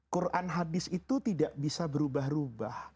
quran hadis itu tidak bisa berubah ubah